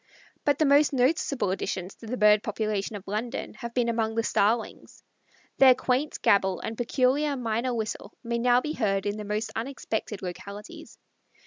But the most noticable additions to the bird population of London have been among the Starlings. Their quaint gabble and peculiar minor whistle may now be heard in the most unexpected localities.